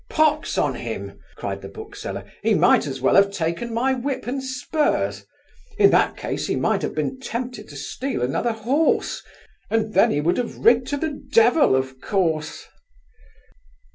'Pox on him! (cried the bookseller) he might as well have taken my whip and spurs. In that case, he might have been tempted to steal another horse, and then he would have rid to the devil of course.